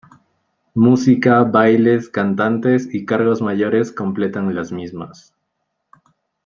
Música, bailes, cantantes y cargos mayores completan las mismas.